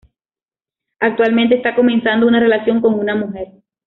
Actualmente está comenzando una relación con una mujer.